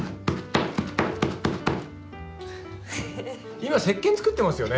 今石けん作ってますよね？